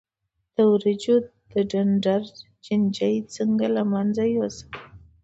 د وریجو د ډنډر چینجی څنګه له منځه یوسم؟